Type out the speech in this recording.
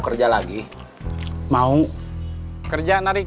kalian ga pueden ke halaman